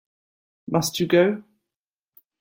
Must you go?